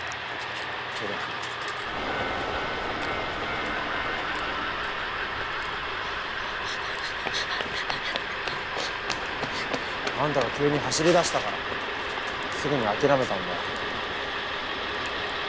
けど。あんたが急に走り出したからすぐにあきらめたんだよ。